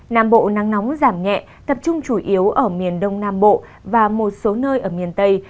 nam bộ nắng nóng giảm nhẹ tập trung chủ yếu ở miền đông nam bộ và một số nơi ở miền tây